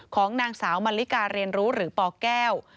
ของนางสาวมันลิกาเรียนรู้หรือปแก้ว